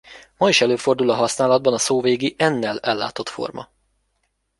Ma is előfordul a használatban a szóvégi n-nel ellátott forma.